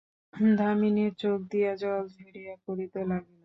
দামিনীর চোখ দিয়া জল ঝরিয়া পড়িতে লাগিল।